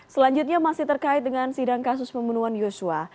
selanjutnya masih terkait dengan sidang kasus pembunuhan yosua